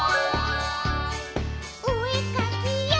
「おえかきよ！